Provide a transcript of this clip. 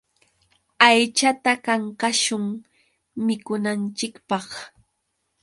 Aychata kankashun mikunanchikpaq.